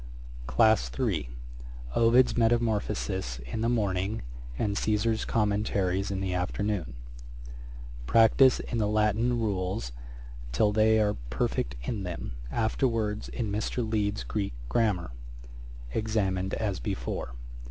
'Class III. Ovid's Metamorphoses in the morning, and Caesar's Commentaries in the afternoon. 'Practise in the Latin rules till they are perfect in them; afterwards in Mr. Leeds's Greek Grammar. Examined as before.